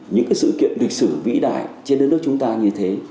những sự kiện lịch sử vĩ đại trên đất nước chúng ta như thế